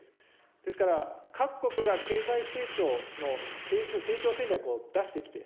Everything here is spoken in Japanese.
ですから、各国が経済成長の成長戦略を出してきてる。